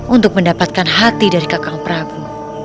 untuk mendapatkan hati dari kakang prabu